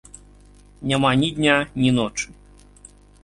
Няма ні дня, ні ночы!